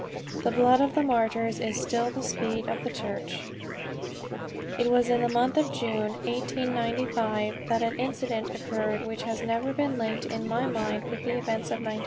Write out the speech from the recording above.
The blood of the martyrs is still the seed of the Church. It was in the month of June, 1895, that an incident occurred which has ever been linked in my mind with the events of 1900.